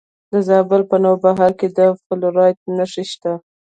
د زابل په نوبهار کې د فلورایټ نښې شته.